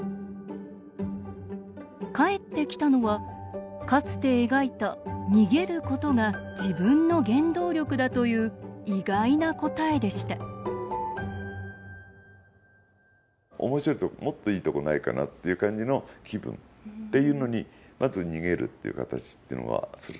返ってきたのは、かつて描いたにげることが自分の原動力だという意外な答えでしたおもしろいとこもっといいとこないかなっていう感じの気分っていうのにまず逃げるという形ってのはする。